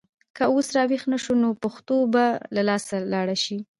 که اوس راویښ نه شو نو پښتو به له لاسه لاړه شي.